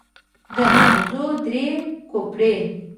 د ماغزو درې کوپړۍ.